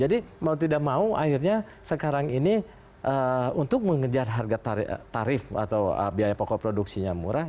jadi mau tidak mau akhirnya sekarang ini untuk mengejar harga tarif atau biaya pokok produksinya murah